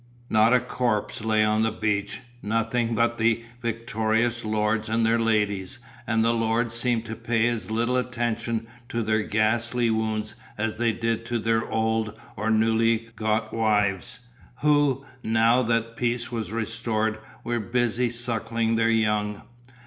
Not a corpse lay on the beach, nothing but the victorious lords and their ladies, and the lords seemed to pay as little attention to their ghastly wounds as they did to their old or newly got wives, who, now that peace was restored, were busy suckling their young.